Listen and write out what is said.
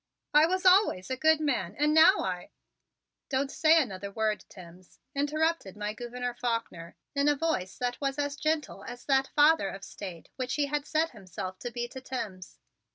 "I was always a good man and now I " "Don't say another word, Timms," interrupted my Gouverneur Faulkner in a voice that was as gentle as that father of State which he had said himself to be to Timms.